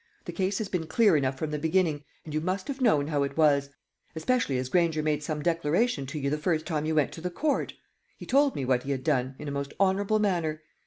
The case has been clear enough from the beginning, and you must have known how it was especially as Granger made some declaration to you the first time you went to the Court. He told me what he had done, in a most honourable manner.